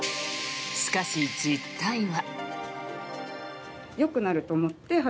しかし、実態は。